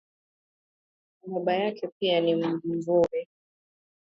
Baba yake pia ni mvuvi